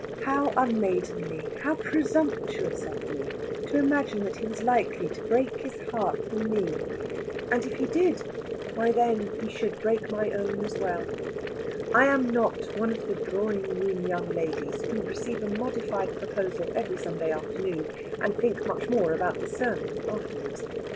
How unmaidenly, how presumptuous of me to imagine that he was likely to break his heart for me! And if he did why then he should break my own as well. I am not one of the drawing room young ladies, who receive a modified proposal every Sunday afternoon, and think much more about the sermon afterwards.